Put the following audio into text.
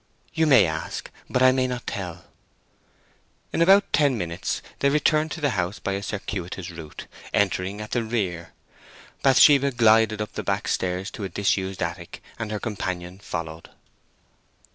"You may ask; but I may not tell." In about ten minutes they returned to the house by a circuitous route, entering at the rear. Bathsheba glided up the back stairs to a disused attic, and her companion followed.